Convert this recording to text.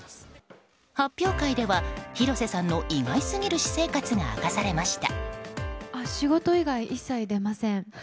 発表会では広瀬さんの意外すぎる私生活が明かされました。